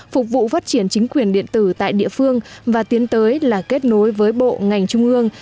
phục vụ phát triển chính quyền điện tử tại địa phương và tiến tới là kết nối với bộ ngành trung ương